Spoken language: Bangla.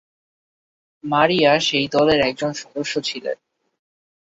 মারিয়া সেই দলের একজন সদস্য ছিলেন।